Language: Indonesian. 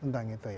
tentang itu ya